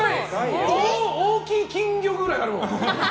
大きい金魚ぐらいある。